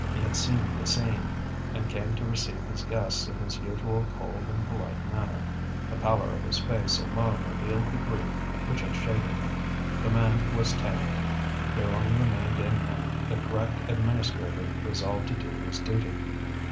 He had seen the scene, and came to receive his guests in his usual cold and polite manner. The pallor of his face alone revealed the grief which had shaken him. The man was tamed; there only remained in him the correct administrator resolved to do his duty.